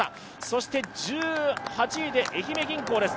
そして１８位で愛媛銀行です。